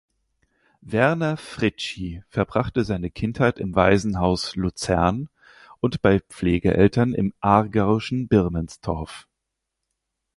Werner Fritschi verbrachte seine Kindheit im Waisenhaus Luzern und bei Pflegeeltern im aargauischen Birmenstorf.